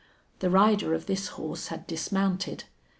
The rider of this horse had dismounted.